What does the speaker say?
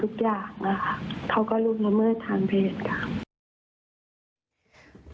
เขาก็ร่วมละเมิดทำเพศกัน